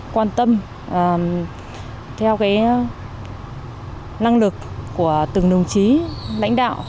quan tâm theo cái năng lực của từng đồng chí lãnh đạo